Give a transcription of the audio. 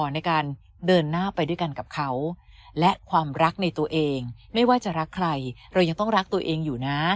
ในการเดินหน้าไปด้วยกันกับเขาและความรักในตัวเองไม่ว่าจะรักใครเรายังต้องรักตัวเองอยู่นะ